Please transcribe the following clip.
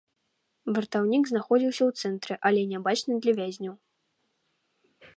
Вартаўнік знаходзіўся ў цэнтры, але нябачны для вязняў.